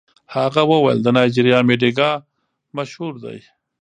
هغه وویل د نایجیریا مډیګا مشهور دی.